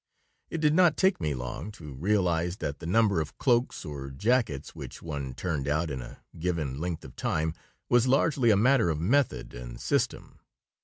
It did not take me long to realize that the number of cloaks or jackets which one turned out in a given length of time was largely a matter of method and system.